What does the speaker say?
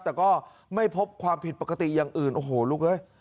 แต่ก็ไม่พบความผิดปกติอย่างอื่นโอ้โหลูกเอ้ย